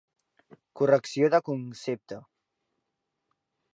Correcció de concepte: